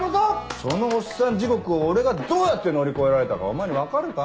そのおっさん地獄を俺がどうやって乗り越えられたかお前に分かるか？